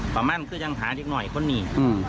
ต่อมานั้นก็ยังหานิดหน่อยคนหนี